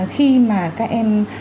khi mà các em